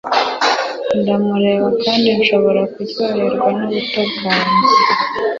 ndamureba kandi nshobora kuryoherwa n'ubuto bwanjye